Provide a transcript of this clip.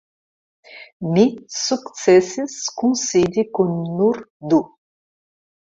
Mi sukcesis kunsidi kun nur du.